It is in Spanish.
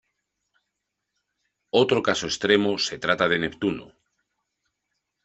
Otro caso extremo se trata de Neptuno.